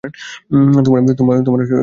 তোমার কাজ কর বাটুল।